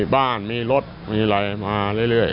บ้านมีรถมีอะไรมาเรื่อย